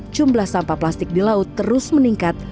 jumlah sampah plastik di laut terus meningkat